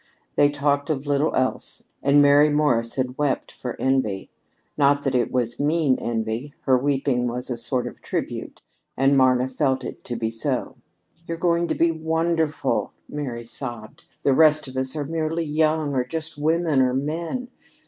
They talked of little else, and Mary Morrison wept for envy. Not that it was mean envy. Her weeping was a sort of tribute, and Marna felt it to be so. "You're going to be wonderful," Mary sobbed. "The rest of us are merely young, or just women, or men.